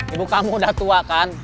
ibu kamu udah tua kan